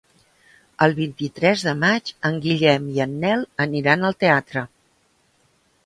El vint-i-tres de maig en Guillem i en Nel aniran al teatre.